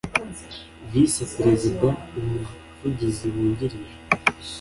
vice perezida umuvugizi wungirije